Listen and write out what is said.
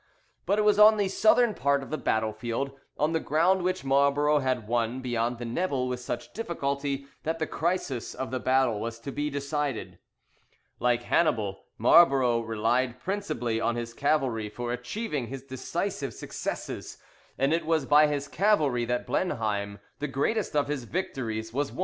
But it was on the southern part of the battle field, on the ground which Marlborough had won beyond the Nebel with such difficulty, that the crisis of the battle was to be decided. Like Hannibal, Marlborough relied principally on his cavalry for achieving his decisive successes, and it was by his cavalry that Blenheim, the greatest of his victories, was won.